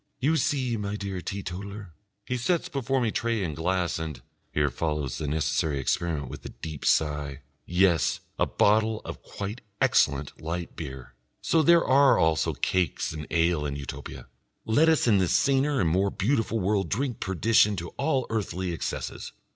"You see, my dear Teetotaler? he sets before me tray and glass and..." Here follows the necessary experiment and a deep sigh.... "Yes, a bottle of quite excellent light beer! So there are also cakes and ale in Utopia! Let us in this saner and more beautiful world drink perdition to all earthly excesses.